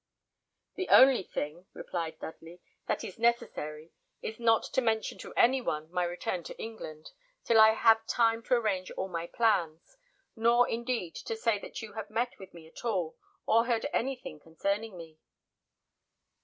"The only thing," replied Dudley, "that is necessary, is not to mention to any one my return to England, till I have time to arrange all my plans; nor, indeed, to say that you have met with me at all, or heard anything concerning me."